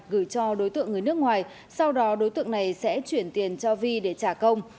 gửi cho đối tượng người nước ngoài sau đó đối tượng này sẽ chuyển tiền cho vi để trả công